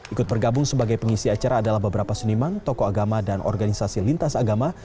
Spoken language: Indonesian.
ikut bergabung sebagai pengisi acara adalah beberapa seniman tokoh agama dan organisasi lintas agama